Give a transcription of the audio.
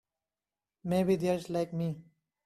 Maybe they're like me.